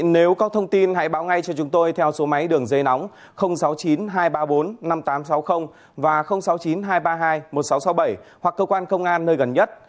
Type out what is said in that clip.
nếu có thông tin hãy báo ngay cho chúng tôi theo số máy đường dây nóng sáu mươi chín hai trăm ba mươi bốn năm nghìn tám trăm sáu mươi và sáu mươi chín hai trăm ba mươi hai một nghìn sáu trăm sáu mươi bảy hoặc cơ quan công an nơi gần nhất